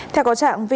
theo có trạng